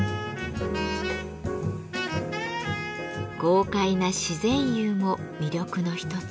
豪快な自然釉も魅力の一つ。